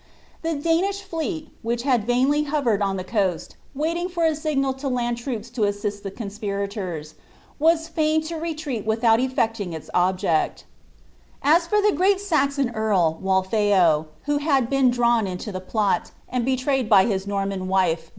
The Dmiab fleet, which had vainly hovered on the cuaal, waiting for a ^mI to land trwps to assist the conspirators, was fain to retreat without weting its objecL As for the great Sajton earl, Waltheof, who had ^ dimwn bto the plot, and betrayed by his Norman wife.